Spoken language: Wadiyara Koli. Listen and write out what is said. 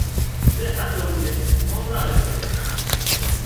زي هر نموني همڀاۯي سي